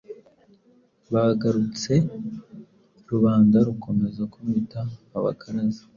bagarutse rubanda rukomeza kubita Abakaraza ,